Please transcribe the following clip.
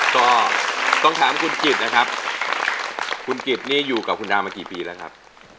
ก็ต้องถามคุณกิจนะครับคุณกิจนี่อยู่กับคุณดาวมากี่ปีแล้วครับ